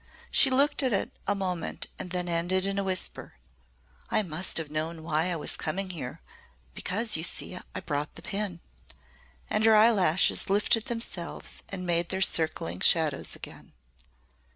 She looked at it a moment and then ended in a whisper. "I must have known why I was coming here because, you see, I brought the pin." And her eyelashes lifted themselves and made their circling shadows again.